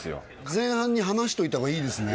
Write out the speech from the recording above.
前半に離しといた方がいいですね。